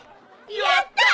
やったー！